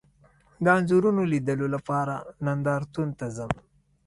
د انځورونو لیدلو لپاره نندارتون ته ځم